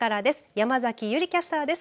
山崎優里キャスターです。